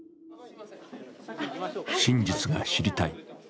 真実が知りたい。